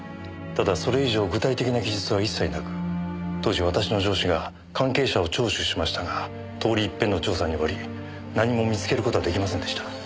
ただそれ以上具体的な記述は一切なく当時私の上司が関係者を聴取しましたが通り一遍の調査に終わり何も見つける事は出来ませんでした。